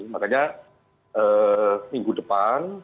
makanya minggu depan